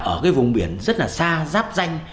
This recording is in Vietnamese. ở vùng biển rất xa ráp danh